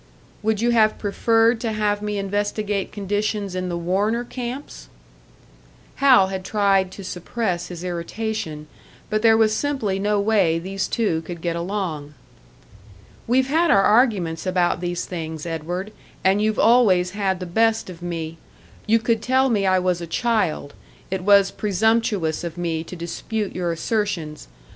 "Would you have preferred to have me investigate conditions in the Warner camps?" Hal had tried to suppress his irritation, but there was simply no way these two could get along. "We've had our arguments about these things, Edward, and you've always had the best of me you could tell me I was a child, it was presumptuous of me to dispute your assertions.